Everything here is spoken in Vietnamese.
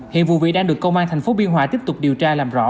hiện vụ vị đang được công an thành phố biên hòa tiếp tục điều tra làm rõ